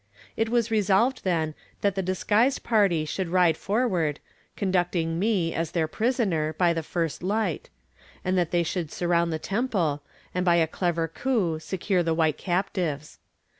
It was resolved, then, that the disguised party should ride forward, conducting me, as their prisoner, by the first light; and that they should surround the temple, and by a clever coup secure the white captives.